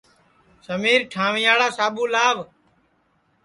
سمیر ٹھانٚوئیاڑا ساٻو لئو